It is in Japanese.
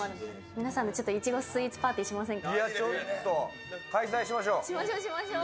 皆さんでいちごスイーツパーティーしませんか？